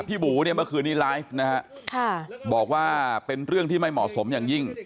บูเนี่ยเมื่อคืนนี้ไลฟ์นะฮะบอกว่าเป็นเรื่องที่ไม่เหมาะสมอย่างยิ่ง